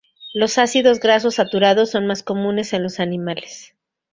Los ácidos grasos saturados son más comunes en los animales.